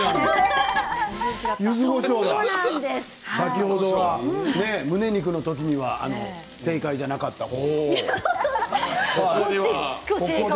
先ほどのむね肉の時には正解じゃなかった方。